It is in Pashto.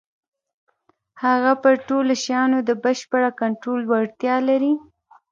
هغه پر ټولو شيانو د بشپړ کنټرول وړتيا لري.